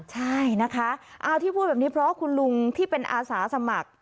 ใช่นะคะเอาที่พูดแบบนี้เพราะคุณลุงที่เป็นอาสาสมัคร